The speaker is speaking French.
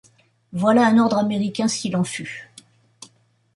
Voilà un ordre américain s’il en fut.